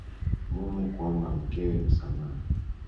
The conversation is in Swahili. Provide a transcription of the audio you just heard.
Mume kuomba mkewe msamaha